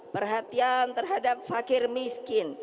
perhatian terhadap fakir miskin